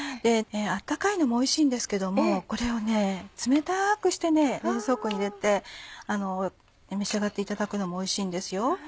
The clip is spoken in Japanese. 温かいのもおいしいんですけどもこれを冷たくして冷蔵庫に入れて召し上がっていただくのもおいしいんですよ。